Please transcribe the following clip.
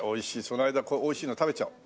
その間これ美味しいの食べちゃおう。